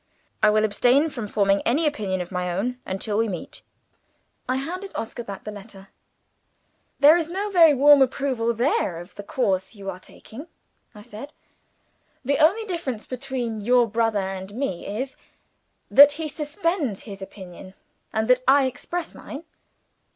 I will abstain from forming any opinion of my own until we meet." I handed Oscar back the letter. "There is no very warm approval there of the course you are taking," I said. "The only difference between your brother and me is, that he suspends his opinion, and that I express mine."